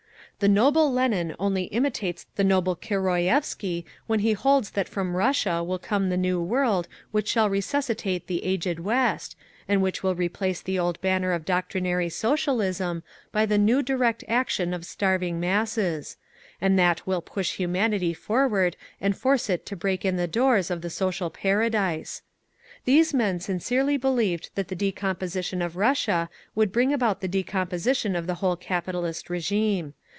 "The noble Lenin only imitates the noble Keroyevsky when he holds that from Russia will come the New World which shall resuscitate the aged West, and which will replace the old banner of doctrinary Socialism by the new direct action of starving masses—and that will push humanity forward and force it to break in the doors of the social paradise…." These men sincerely believed that the decomposition of Russia would bring about the decomposition of the whole capitalist régime.